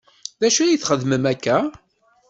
D acu ay xeddmen akka?